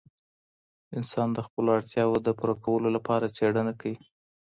انسان د خپلو اړتیاوو د پوره کولو لپاره څېړنه کوي.